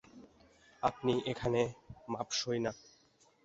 আপনি এখানে মাপসই না!